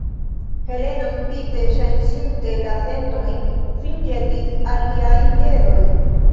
Heleno, subite ŝanĝinte la sentojn, sin ĵetis al liaj piedoj.